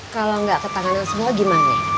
kalau gak ke tangan yang segala gimana